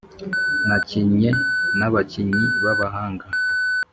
nakinnye na bakinyi babahanga